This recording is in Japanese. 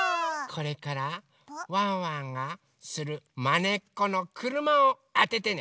これからワンワンがするまねっこのくるまをあててね。